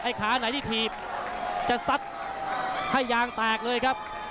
ไอ้ขาหน่อยที่ทีบจะชักให้ยางแตกเลยครับ